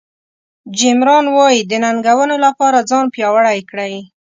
جیم ران وایي د ننګونو لپاره ځان پیاوړی کړئ.